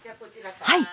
はい。